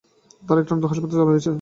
তারা একটা নতুন হাসপাতাল চালু করেছে।